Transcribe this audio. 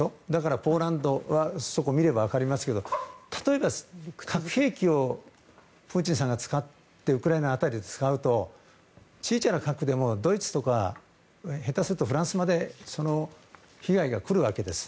ポーランドはそこを見ると分かりますが例えば、核兵器をプーチンさんがウクライナ辺りで使うと小さな核でもドイツとか下手するとフランスまで被害が来るわけです。